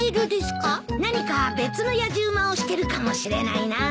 何か別のやじ馬をしてるかもしれないな。